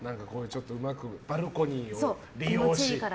ちょっとうまくバルコニーを利用し。